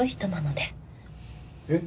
えっ？